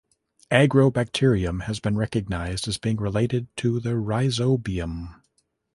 "Agrobacterium" has been recognized as being related to the "Rhizobium".